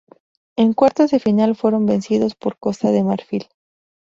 En cuartos de final fueron vencidos por Costa de Marfil.